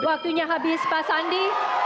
waktunya habis pak sandi